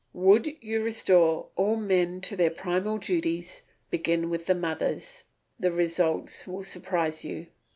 Would you restore all men to their primal duties, begin with the mothers; the results will surprise you.